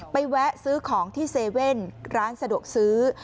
ไปแวะซื้อของที่เซเว่นร้านสะดวกซื้อ